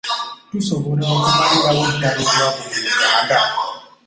Tusobola okumalirawo ddaala obwavu mu Uganda?